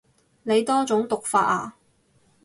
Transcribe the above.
你多種讀法啊